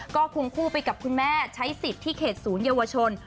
ก็คุมคู่ไปกับคุณแม่ใช้สิทธิ์ที่เขตศูนยวชน